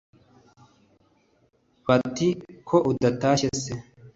Bati ko udatashye se